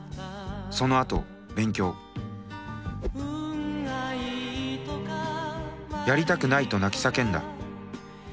そのあと勉強やりたくないと泣き叫んだ。